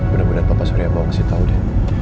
bener bener papa surya mau kasih tau dia